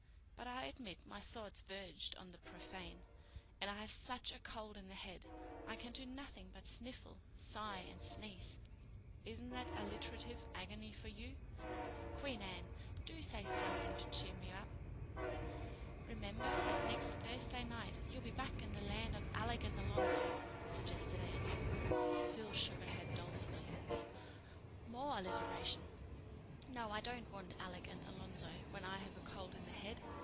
But I admit my thoughts verged on the profane. And I have such a cold in the head—I can do nothing but sniffle, sigh and sneeze. Isn't that alliterative agony for you? Queen Anne, do say something to cheer me up." "Remember that next Thursday night, you'll be back in the land of Alec and Alonzo," suggested Anne. Phil shook her head dolefully. "More alliteration. No, I don't want Alec and Alonzo when I have a cold in the head.